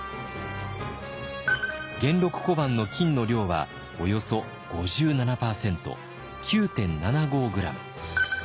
元禄小判の金の量はおよそ５７％９．７５ｇ。